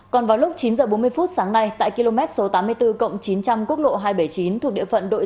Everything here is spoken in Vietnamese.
còn vào lúc chín h bốn mươi sáng nay tại km tám mươi bốn chín trăm linh quốc lộ hai trăm bảy mươi chín thuộc địa phận đội sáu